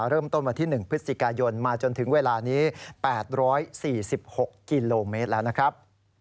เริ่มต้นวันที่๑พฤศจิกายนมาจนถึงเวลานี้๘๔๖กิโลเมตรแล้วนะครับ